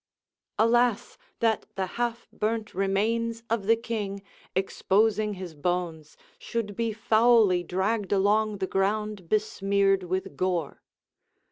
["Alas! that the half burnt remains of the king, exposing his bones, should be foully dragged along the ground besmeared with gore."